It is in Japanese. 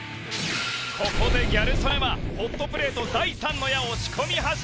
ここでギャル曽根はホットプレート第三の矢を仕込み始めるようです。